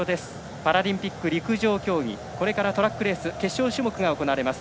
パラリンピック陸上競技これからトラックレース決勝種目が行われます。